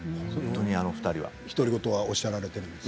独り言はおっしゃられるんですか。